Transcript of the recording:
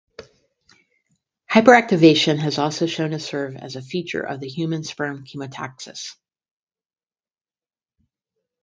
Hyperactivation has also shown to serve as a feature of the human sperm Chemotaxis.